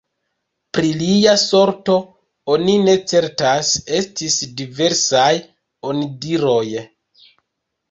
Pri lia sorto oni ne certas: estis diversaj onidiroj.